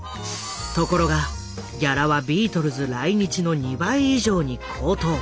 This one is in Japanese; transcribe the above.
ところがギャラはビートルズ来日の２倍以上に高騰！